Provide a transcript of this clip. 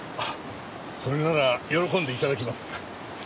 それなら喜んで頂きます。